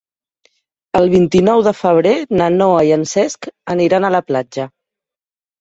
El vint-i-nou de febrer na Noa i en Cesc aniran a la platja.